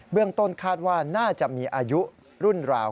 เรื่องต้นคาดว่าน่าจะมีอายุรุ่นราว